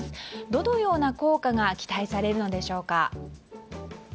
どのような効果が期待されるのでしょうか。